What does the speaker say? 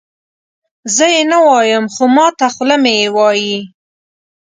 زه یې نه وایم خو ماته خوله مې یې وایي.